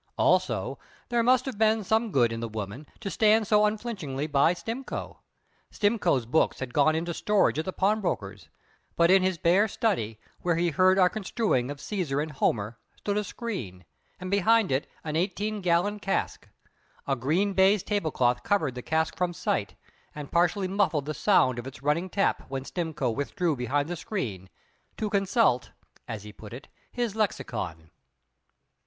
Also, there must have been some good in the woman, to stand so unflinchingly by Stimcoe. Stimcoe's books had gone into storage at the pawnbroker's; but in his bare "study," where he heard our construing of Caesar and Homer, stood a screen, and behind it an eighteen gallon cask. A green baize tablecloth covered the cask from sight, and partially muffled the sound of its running tap when Stimcoe withdrew behind the screen, to consult (as he put it) his lexicon.